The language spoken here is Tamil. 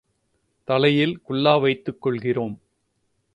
தலையில் குல்லா வைத்துக் கொள்கிறோம்.